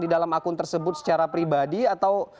di dalam akun tersebut secara pribadi atau